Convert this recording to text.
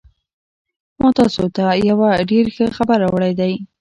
ما تاسو ته یو ډېر ښه خبر راوړی دی